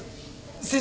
先生